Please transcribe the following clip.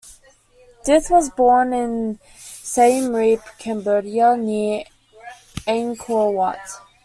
Dith was born in Siem Reap, Cambodia near Angkor Wat.